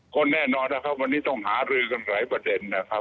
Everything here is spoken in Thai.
ก็แน่นอนนะครับวันนี้ต้องหารือกันหลายประเด็นนะครับ